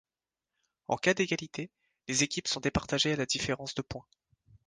En cas d'égalité, les équipes sont départagées à la différence de points.